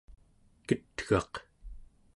ket'gaq